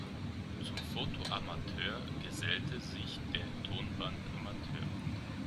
Zum Foto-Amateur gesellte sich der Tonband-Amateur.